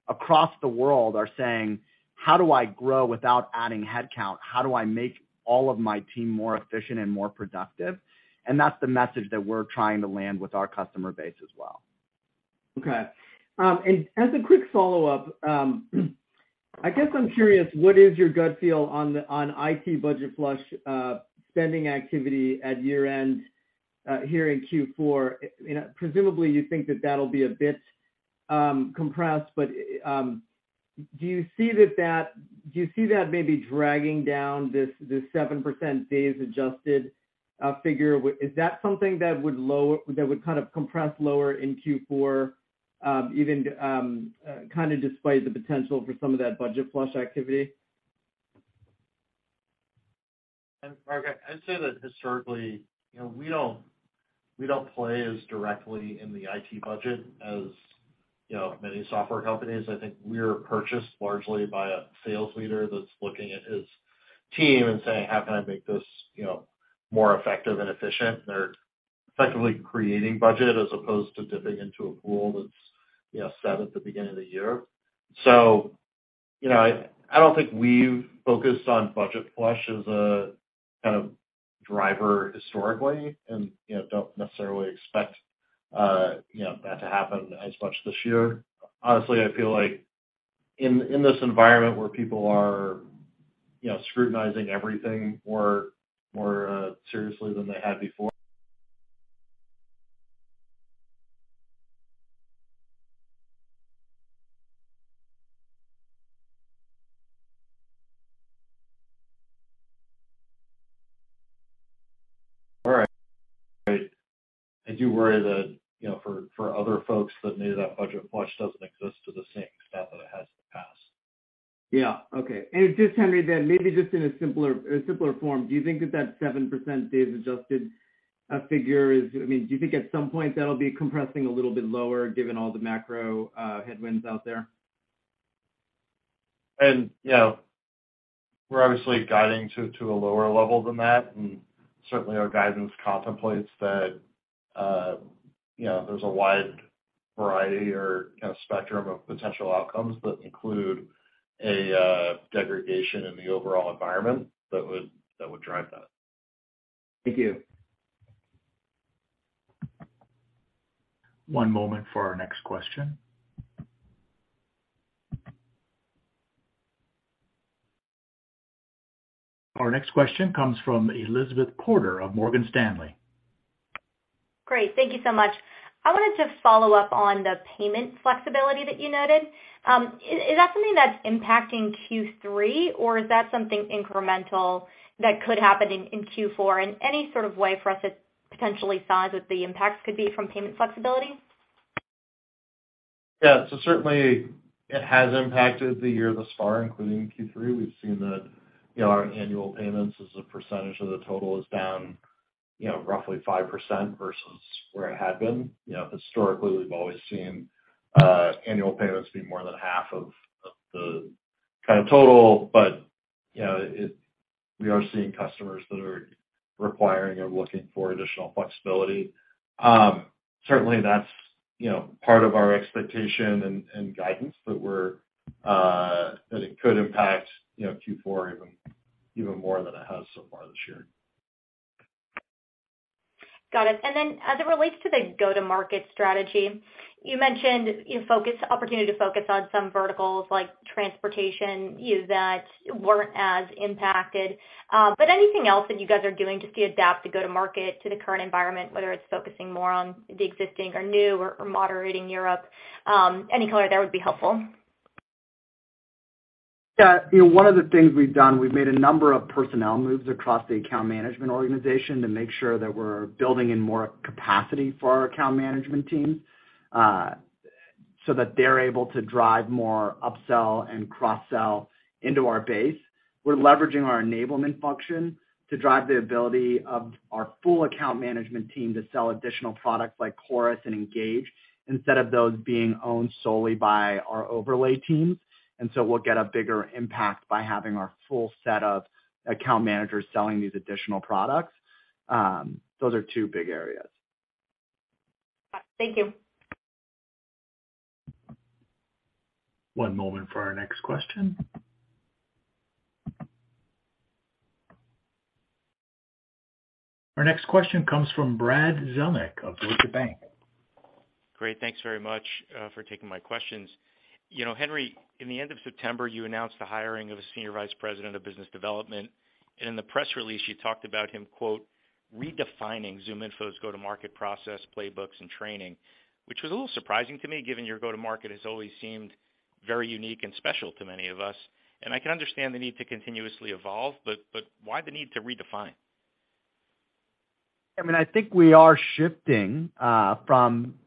across the world are saying, "How do I grow without adding headcount? How do I make all of my team more efficient and more productive?" That's the message that we're trying to land with our customer base as well. Okay. As a quick follow-up, I guess I'm curious, what is your gut feel on IT budget flush spending activity at year-end here in Q4? You know, presumably, you think that that'll be a bit compressed. Do you see that maybe dragging down this 7% DSO-adjusted figure? Is that something that would kind of compress lower in Q4, even kinda despite the potential for some of that budget flush activity? Mark, I'd say that historically, you know, we don't play as directly in the IT budget as, you know, many software companies. I think we're purchased largely by a sales leader that's looking at his team and saying, "How can I make this, you know, more effective and efficient?" They're effectively creating budget as opposed to dipping into a pool that's, you know, set at the beginning of the year. I don't think we've focused on budget flush as a kind of driver historically and, you know, don't necessarily expect that to happen as much this year. Honestly, I feel like in this environment where people are, you know, scrutinizing everything more seriously than they had before. All right. Great. I do worry that, you know, for other folks that maybe that budget flush doesn't exist to the same extent that it has in the past. Yeah. Okay. Just, Henry, then maybe just in a simpler form, do you think that 7% days adjusted figure is, I mean, do you think at some point that'll be compressing a little bit lower given all the macro headwinds out there? You know, we're obviously guiding to a lower level than that, and certainly our guidance contemplates that, you know, there's a wide variety or kind of spectrum of potential outcomes that include a degradation in the overall environment that would drive that. Thank you. One moment for our next question. Our next question comes from Elizabeth Porter of Morgan Stanley. Great. Thank you so much. I wanted to follow up on the payment flexibility that you noted. Is that something that's impacting Q3, or is that something incremental that could happen in Q4 in any sort of way for us to potentially size what the impacts could be from payment flexibility? Certainly it has impacted the year thus far, including Q3. We've seen that, you know, our annual payments as a percentage of the total is down. You know, roughly 5% versus where it had been. You know, historically, we've always seen annual payments be more than half of the kind of total. We are seeing customers that are requiring or looking for additional flexibility. Certainly that's, you know, part of our expectation and guidance that we're that it could impact, you know, Q4 even more than it has so far this year. Got it. As it relates to the go-to-market strategy, you mentioned opportunity to focus on some verticals like transportation, you know, that weren't as impacted. Anything else that you guys are doing to adapt to go to market to the current environment, whether it's focusing more on the existing or new or moderating Europe, any color there would be helpful. Yeah. You know, one of the things we've done, we've made a number of personnel moves across the account management organization to make sure that we're building in more capacity for our account management team, so that they're able to drive more upsell and cross-sell into our base. We're leveraging our enablement function to drive the ability of our full account management team to sell additional products like Chorus and Engage instead of those being owned solely by our overlay team. We'll get a bigger impact by having our full set of account managers selling these additional products. Those are two big areas. Thank you. One moment for our next question. Our next question comes from Brad Zelnick of Deutsche Bank. Great. Thanks very much for taking my questions. You know, Henry, in the end of September, you announced the hiring of a senior vice president of business development. In the press release, you talked about him, quote, "Redefining ZoomInfo's go-to-market process, playbooks, and training," which was a little surprising to me, given your go-to-market has always seemed very unique and special to many of us. I can understand the need to continuously evolve, but why the need to redefine? I mean, I think we are shifting from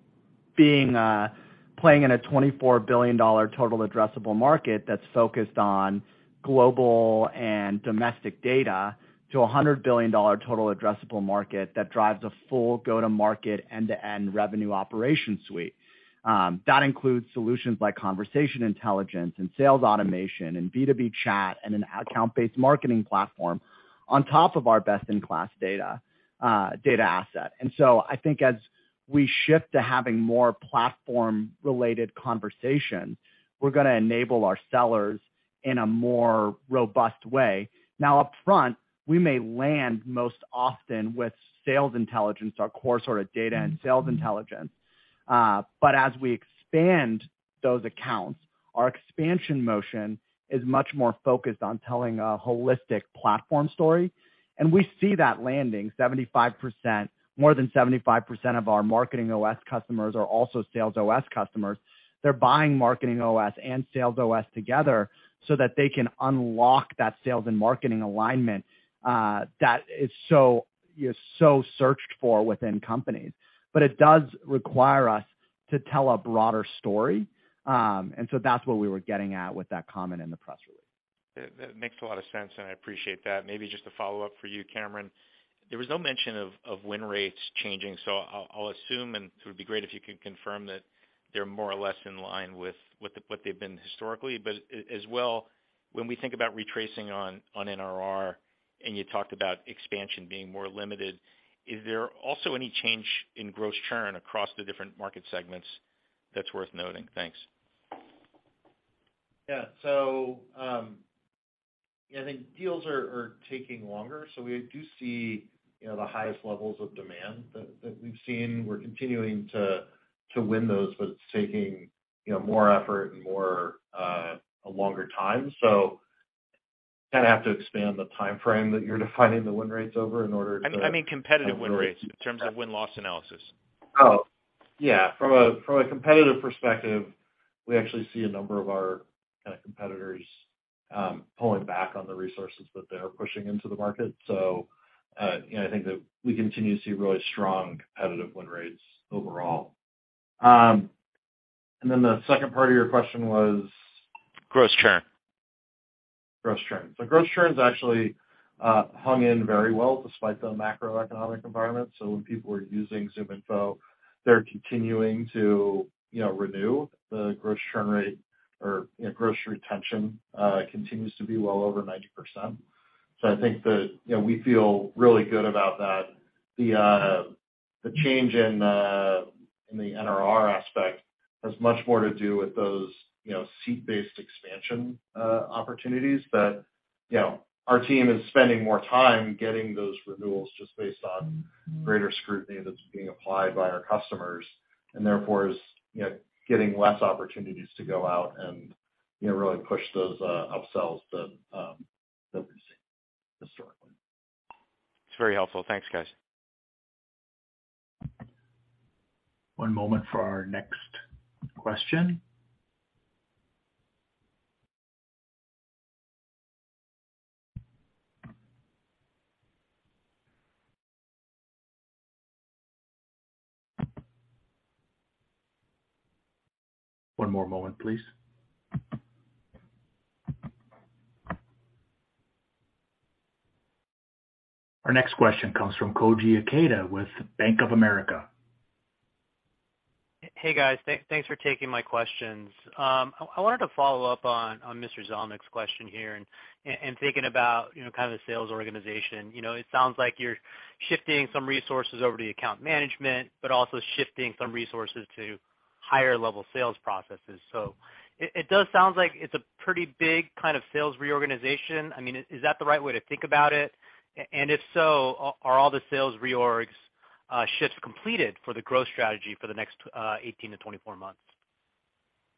being playing in a $24 billion total addressable market that's focused on global and domestic data to a $100 billion total addressable market that drives a full go-to-market, end-to-end revenue operation suite. That includes solutions like conversation intelligence and sales automation and B2B chat and an account-based marketing platform on top of our best-in-class data data asset. I think as we shift to having more platform-related conversation, we're gonna enable our sellers in a more robust way. Now up front, we may land most often with sales intelligence, our core sort of data and sales intelligence. But as we expand those accounts, our expansion motion is much more focused on telling a holistic platform story. We see that landing 75%. More than 75% of our MarketingOS customers are also SalesOS customers. They're buying MarketingOS and SalesOS together so that they can unlock that sales and marketing alignment, that is so searched for within companies. It does require us to tell a broader story. That's what we were getting at with that comment in the press release. That makes a lot of sense, and I appreciate that. Maybe just a follow-up for you, Cameron. There was no mention of win rates changing, so I'll assume, and it would be great if you could confirm that they're more or less in line with what they've been historically. As well, when we think about retracing on NRR, and you talked about expansion being more limited, is there also any change in gross churn across the different market segments that's worth noting? Thanks. Yeah. Yeah, I think deals are taking longer, so we do see, you know, the highest levels of demand that we've seen. We're continuing to win those, but it's taking, you know, more effort and more a longer time. Kind of have to expand the timeframe that you're defining the win rates over in order to. I mean, competitive win rates in terms of win-loss analysis. Oh, yeah. From a competitive perspective, we actually see a number of our kind of competitors pulling back on the resources that they are pushing into the market. You know, I think that we continue to see really strong competitive win rates overall. The second part of your question was? Gross churn. Gross churn. Gross churn's actually hung in very well despite the macroeconomic environment. When people are using ZoomInfo, they're continuing to, you know, renew the gross churn rate or, you know, gross retention continues to be well over 90%. I think that, you know, we feel really good about that. The change in the NRR aspect has much more to do with those, you know, seat-based expansion opportunities that, you know, our team is spending more time getting those renewals just based on greater scrutiny that's being applied by our customers. Therefore is, you know, getting less opportunities to go out and, you know, really push those upsells that we've seen historically. It's very helpful. Thanks, guys. One moment for our next question. One more moment, please. Our next question comes from Koji Ikeda with Bank of America. Hey guys. Thanks for taking my questions. I wanted to follow up on Mr. Zelnick's question here and thinking about, you know, kind of the sales organization. You know, it sounds like you're shifting some resources over to account management, but also shifting some resources to higher level sales processes. So it does sound like it's a pretty big kind of sales reorganization. I mean, is that the right way to think about it? If so, are all the sales reorgs, shifts completed for the growth strategy for the next 18-24 months?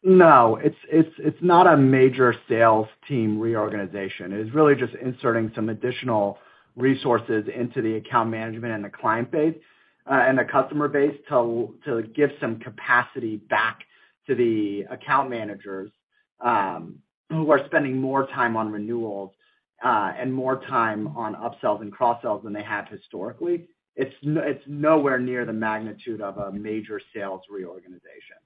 No, it's not a major sales team reorganization. It is really just inserting some additional resources into the account management and the client base, and the customer base to give some capacity back to the account managers, who are spending more time on renewals, and more time on upsells and cross-sells than they have historically. It's nowhere near the magnitude of a major sales reorganization.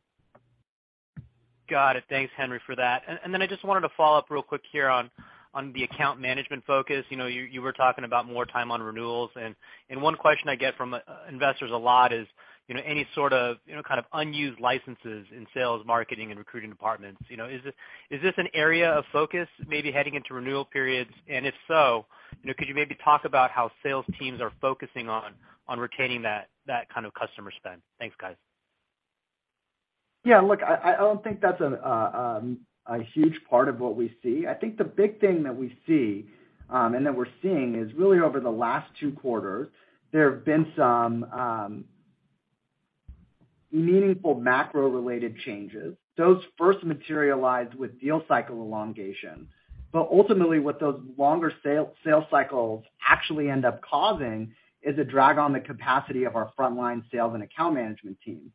Got it. Thanks, Henry, for that. Then I just wanted to follow up real quick here on the account management focus. You know, you were talking about more time on renewals, and one question I get from investors a lot is, you know, any sort of, you know, kind of unused licenses in sales, marketing, and recruiting departments. You know, is this an area of focus maybe heading into renewal periods? If so, you know, could you maybe talk about how sales teams are focusing on retaining that kind of customer spend? Thanks, guys. Yeah, look, I don't think that's a huge part of what we see. I think the big thing that we see and that we're seeing is really over the last two quarters, there have been some meaningful macro-related changes. Those first materialized with deal cycle elongation. But ultimately, what those longer sales cycles actually end up causing is a drag on the capacity of our frontline sales and account management team.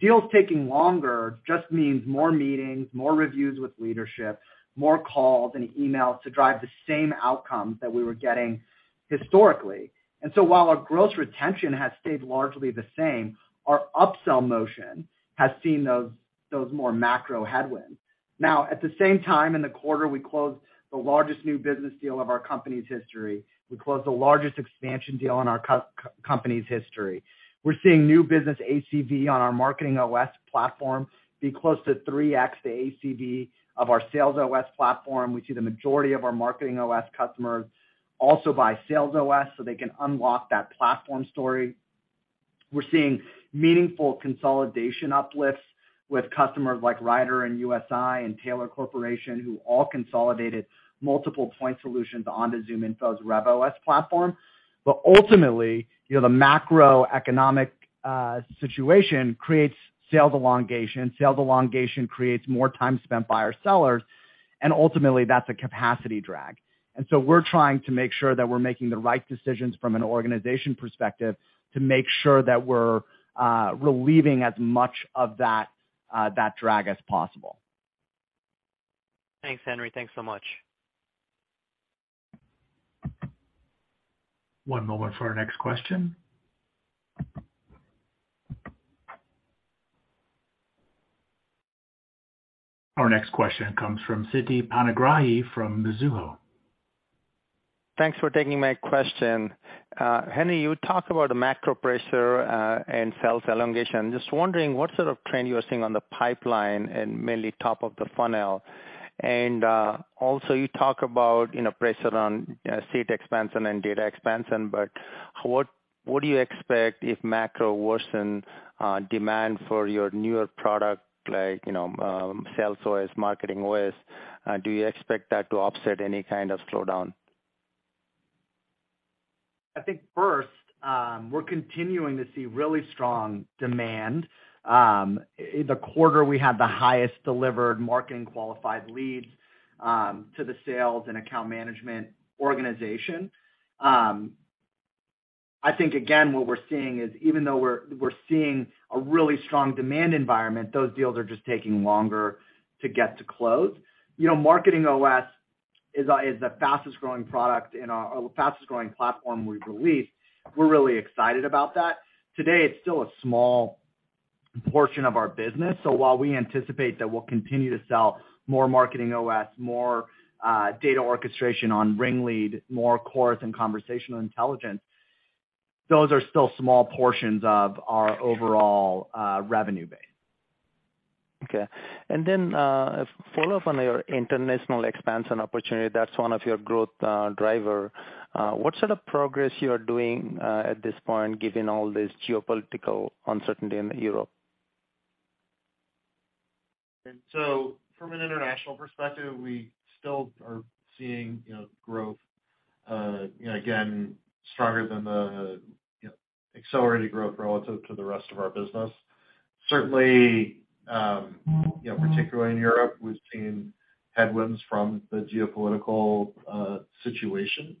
Deals taking longer just means more meetings, more reviews with leadership, more calls and emails to drive the same outcomes that we were getting historically. And so while our gross retention has stayed largely the same, our upsell motion has seen those more macro headwinds. Now, at the same time, in the quarter, we closed the largest new business deal of our company's history. We closed the largest expansion deal in our company's history. We're seeing new business ACV on our MarketingOS platform be close to 3x the ACV of our SalesOS platform. We see the majority of our MarketingOS customers also buy SalesOS, so they can unlock that platform story. We're seeing meaningful consolidation uplifts with customers like Ryder and USI and Taylor Corporation, who all consolidated multiple point solutions onto ZoomInfo's RevOS platform. But ultimately, you know, the macroeconomic situation creates sales elongation. Sales elongation creates more time spent by our sellers, and ultimately, that's a capacity drag. We're trying to make sure that we're making the right decisions from an organization perspective to make sure that we're relieving as much of that drag as possible. Thanks, Henry. Thanks so much. One moment for our next question. Our next question comes from Siti Panigrahi from Mizuho. Thanks for taking my question. Henry, you talk about the macro pressure and sales elongation. Just wondering what sort of trend you are seeing on the pipeline and mainly top of the funnel. Also you talk about, you know, pressure on seat expansion and data expansion. What do you expect if macro worsen demand for your newer product like, you know, SalesOS, MarketingOS? Do you expect that to offset any kind of slowdown? I think first, we're continuing to see really strong demand. In the quarter we had the highest delivered marketing qualified leads to the sales and account management organization. I think again, what we're seeing is even though we're seeing a really strong demand environment, those deals are just taking longer to get to close. You know, MarketingOS is the fastest growing platform we've released. We're really excited about that. Today, it's still a small portion of our business. While we anticipate that we'll continue to sell more MarketingOS, more data orchestration on RingLead, more Chorus and conversational intelligence, those are still small portions of our overall revenue base. Okay. Follow up on your international expansion opportunity, that's one of your growth driver. What sort of progress you are doing at this point, given all this geopolitical uncertainty in Europe? From an international perspective, we still are seeing, you know, growth, again, stronger than the, you know, accelerated growth relative to the rest of our business. Certainly, you know, particularly in Europe, we've seen headwinds from the geopolitical situation.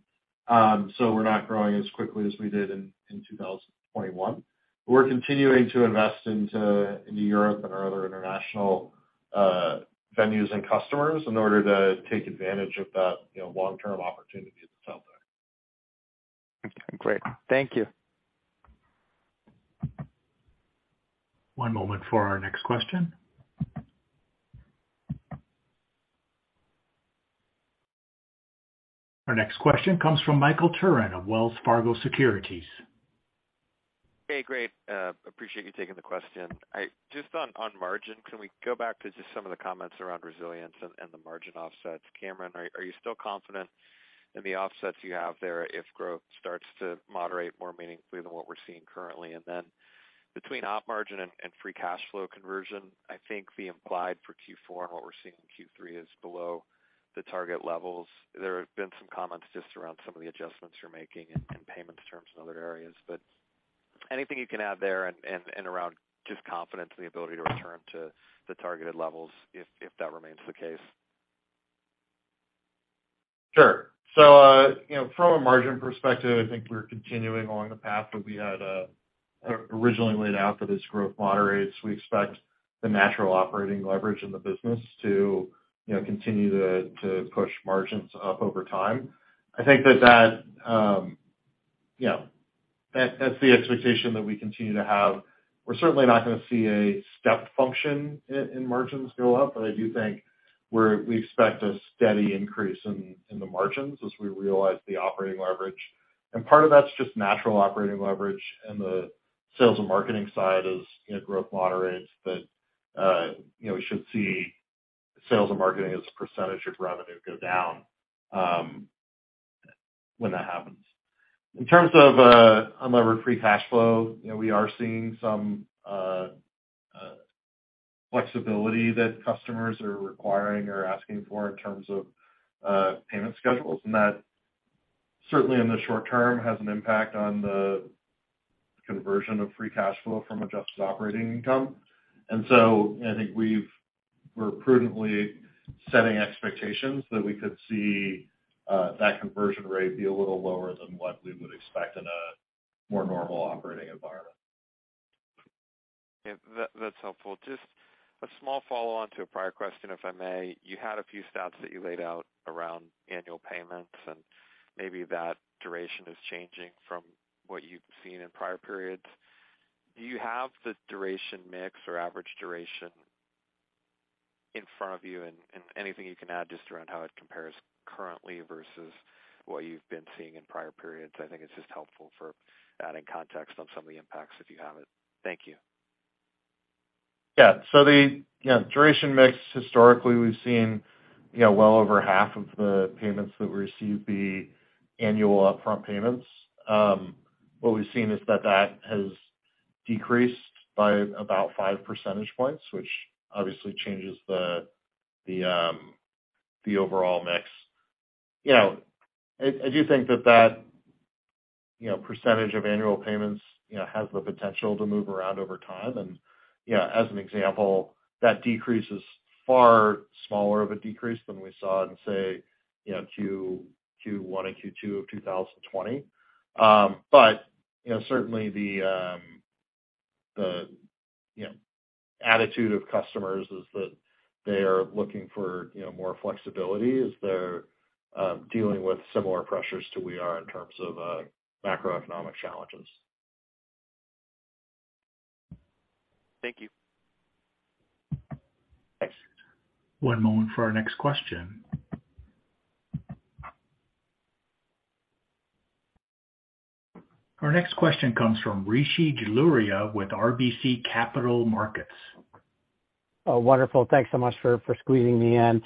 We're not growing as quickly as we did in 2021. We're continuing to invest into Europe and our other international venues and customers in order to take advantage of that, you know, long-term opportunity that's out there. Great. Thank you. One moment for our next question. Our next question comes from Michael Turrin of Wells Fargo Securities. Hey, great. Appreciate you taking the question. Just on margin, can we go back to just some of the comments around resilience and the margin offsets? Cameron Hyzer, are you still confident in the offsets you have there if growth starts to moderate more meaningfully than what we're seeing currently? Then between op margin and free cash flow conversion, I think the implied for Q4 and what we're seeing in Q3 is below the target levels. There have been some comments just around some of the adjustments you're making in payments terms in other areas. Anything you can add there and around just confidence in the ability to return to the targeted levels if that remains the case. Sure. From a margin perspective, I think we're continuing along the path that we had originally laid out for this growth moderation. We expect the natural operating leverage in the business to, you know, continue to push margins up over time. I think that, you know, that's the expectation that we continue to have. We're certainly not gonna see a step function in margins go up, but I do think we expect a steady increase in the margins as we realize the operating leverage. Part of that's just natural operating leverage in the sales and marketing side as, you know, growth moderates. You know, we should see sales and marketing as a percentage of revenue go down when that happens. In terms of unlevered free cash flow, you know, we are seeing some flexibility that customers are requiring or asking for in terms of payment schedules. That certainly, in the short term, has an impact on the conversion of free cash flow from adjusted operating income. I think we're prudently setting expectations that we could see that conversion rate be a little lower than what we would expect in a more normal operating environment. Yeah, that's helpful. Just a small follow-on to a prior question, if I may. You had a few stats that you laid out around annual payments, and maybe that duration is changing from what you've seen in prior periods. Do you have the duration mix or average duration in front of you? And anything you can add just around how it compares currently versus what you've been seeing in prior periods. I think it's just helpful for adding context on some of the impacts if you have it. Thank you. Yeah. The, you know, duration mix, historically, we've seen, you know, well over half of the payments that we receive be annual upfront payments. What we've seen is that that has decreased by about 5 percentage points, which obviously changes the overall mix. You know, I do think that that, you know, percentage of annual payments, you know, has the potential to move around over time. You know, as an example, that decrease is far smaller of a decrease than we saw in, say, you know, Q1 and Q2 of 2020. You know, certainly the attitude of customers is that they are looking for, you know, more flexibility as they're dealing with similar pressures to what we are in terms of macroeconomic challenges. Thank you. One moment for our next question. Our next question comes from Rishi Jaluria with RBC Capital Markets. Oh, wonderful. Thanks so much for squeezing me in.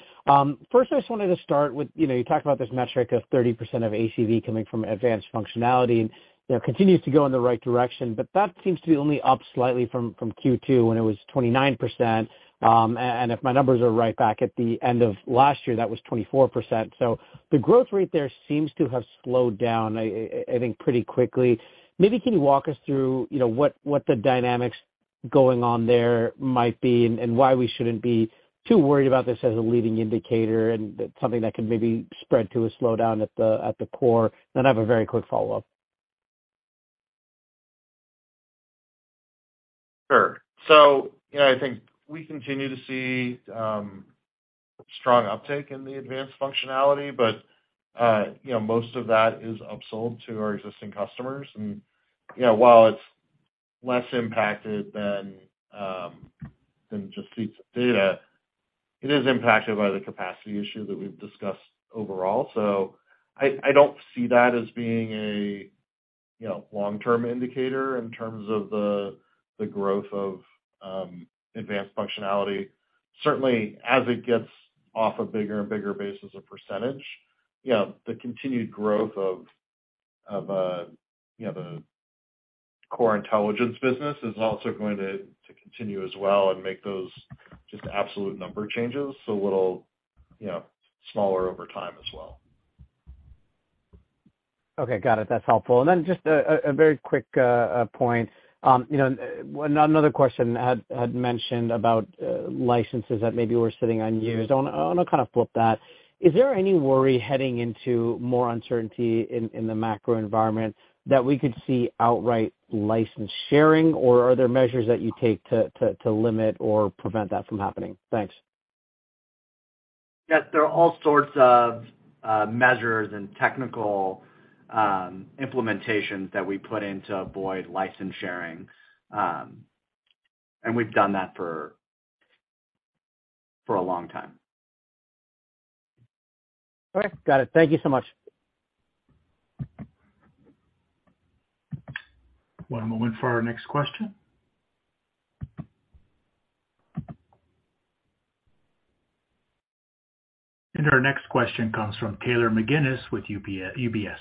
First, I just wanted to start with, you know, you talked about this metric of 30% of ACV coming from advanced functionality and, you know, continues to go in the right direction, but that seems to be only up slightly from Q2 when it was 29%. And if my numbers are right back at the end of last year, that was 24%. So the growth rate there seems to have slowed down, I think, pretty quickly. Maybe can you walk us through, you know, what the dynamics going on there might be and why we shouldn't be too worried about this as a leading indicator and something that could maybe spread to a slowdown at the core. Then I have a very quick follow-up. Sure. You know, I think we continue to see strong uptake in the advanced functionality, but you know, most of that is upsold to our existing customers. You know, while it's less impacted than just seats data, it is impacted by the capacity issue that we've discussed overall. I don't see that as being a you know, long-term indicator in terms of the growth of advanced functionality. Certainly, as it gets off a bigger and bigger basis of percentage, you know, the continued growth of the core intelligence business is also going to continue as well and make those just absolute number changes so a little you know, smaller over time as well. Okay. Got it. That's helpful. Then just a very quick point. You know, another question had mentioned about licenses that maybe were sitting unused. I wanna kind of flip that. Is there any worry heading into more uncertainty in the macro environment that we could see outright license sharing, or are there measures that you take to limit or prevent that from happening? Thanks. Yes, there are all sorts of measures and technical implementations that we put in to avoid license sharing, and we've done that for a long time. Okay. Got it. Thank you so much. One moment for our next question. Our next question comes from Taylor McGinnis with UBS.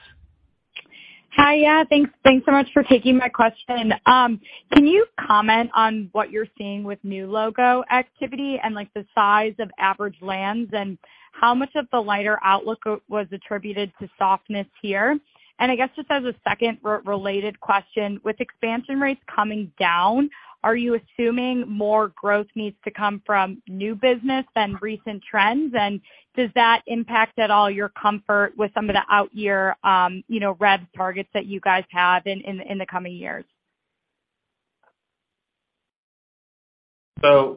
Hi. Yeah. Thanks so much for taking my question. Can you comment on what you're seeing with new logo activity and, like, the size of average lands and how much of the lighter outlook was attributed to softness here? I guess just as a second related question, with expansion rates coming down, are you assuming more growth needs to come from new business than recent trends? Does that impact at all your comfort with some of the out year, you know, rev targets that you guys have in the coming years?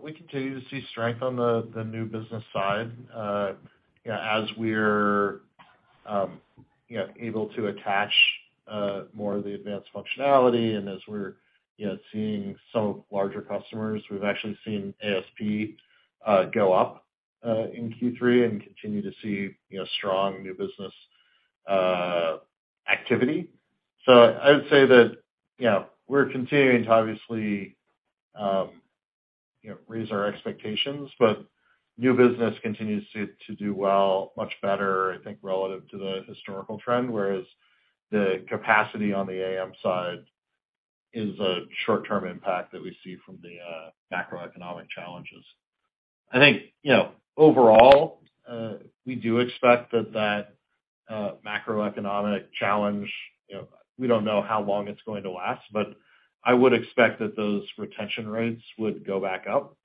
We continue to see strength on the new business side, you know, as we're, you know, able to attach more of the advanced functionality and as we're, you know, seeing some larger customers. We've actually seen ASP go up in Q3 and continue to see, you know, strong new business activity. I would say that, you know, we're continuing to obviously, you know, raise our expectations, but new business continues to do well, much better, I think, relative to the historical trend, whereas the capacity on the AM side is a short-term impact that we see from the macroeconomic challenges. I think, you know, overall, we do expect that macroeconomic challenge, you know, we don't know how long it's going to last, but I would expect that those retention rates would go back up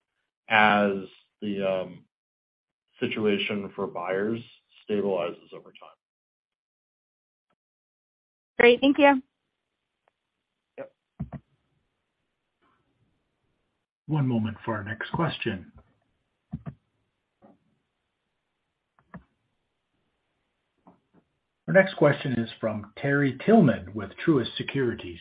as the situation for buyers stabilizes over time. Great. Thank you. Yep. One moment for our next question. Our next question is from Terry Tillman with Truist Securities.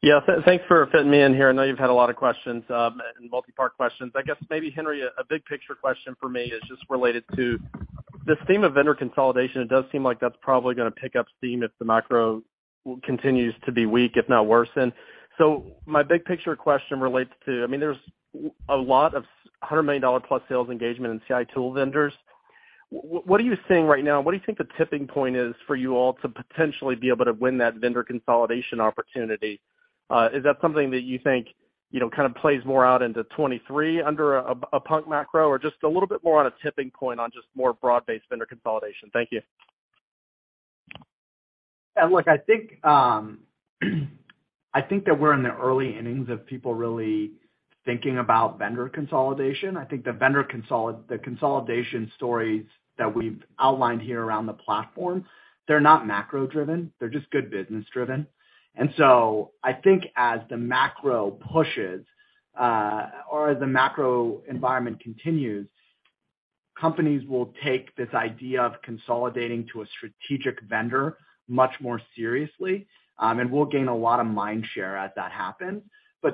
Yeah, thanks for fitting me in here. I know you've had a lot of questions and multi-part questions. I guess maybe, Henry, a big picture question for me is just related to this theme of vendor consolidation. It does seem like that's probably gonna pick up steam if the macro continues to be weak, if not worsen. My big picture question relates to, I mean, there's a lot of $100 million+ sales engagement in CI tool vendors. What are you seeing right now? What do you think the tipping point is for you all to potentially be able to win that vendor consolidation opportunity? Is that something that you think, you know, kind of plays more out into 2023 under a funk macro or just a little bit more on a tipping point on just more broad-based vendor consolidation? Thank you. Yeah. Look, I think that we're in the early innings of people really thinking about vendor consolidation. I think the consolidation stories that we've outlined here around the platform, they're not macro driven. They're just good business driven. I think as the macro pushes or as the macro environment continues, companies will take this idea of consolidating to a strategic vendor much more seriously, and we'll gain a lot of mind share as that happens.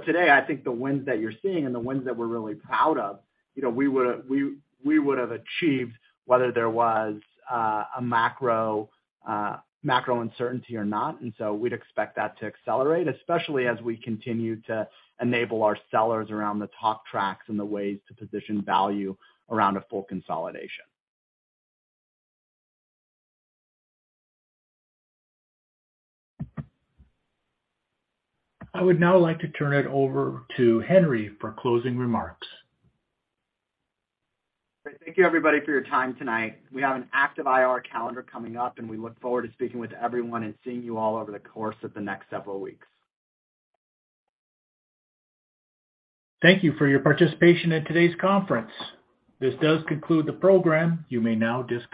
Today, I think the wins that you're seeing and the wins that we're really proud of, you know, we would have achieved whether there was a macro uncertainty or not. We'd expect that to accelerate, especially as we continue to enable our sellers around the talk tracks and the ways to position value around a full consolidation. I would now like to turn it over to Henry for closing remarks. Great. Thank you, everybody, for your time tonight. We have an active IR calendar coming up, and we look forward to speaking with everyone and seeing you all over the course of the next several weeks. Thank you for your participation in today's conference. This does conclude the program. You may now disconnect.